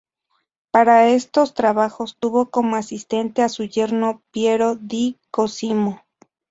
Para estos trabajos tuvo como asistente a su yerno Piero di Cosimo.